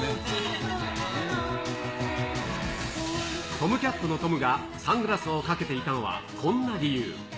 ＴＯＭ★ＣＡＴのＴＯＭが、サングラスをかけていたのはこんな理由。